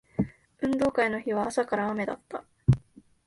運動会の日は朝から雨だった